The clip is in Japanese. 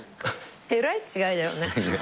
えらい違いだよね。